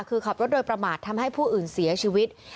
คือขับรถโดยประมาททำให้ผู้อื่นเสียชีวิต